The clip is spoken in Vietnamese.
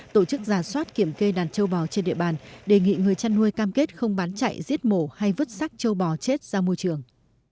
tổ chức giả soát kiểm kê đàn châu bò trên địa bàn đề nghị người chăn nuôi cam kết không bán chạy giết mổ hay vứt sắc châu bò chết ra môi trường